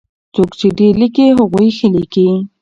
څوک چې ډېر ليکي هغوی ښه ليکي.